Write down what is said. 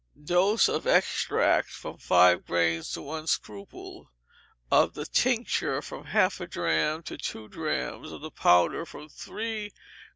Dose, of the extract, from five grains to one scruple; of the tincture, from half a drachm to two drachms; of the powder, from three!